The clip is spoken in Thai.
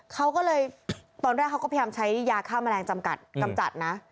เขาก็เลยตอนแรกเขาก็พยายามใช้ยาฆ่าแมลงจำกัดกำจัดนะ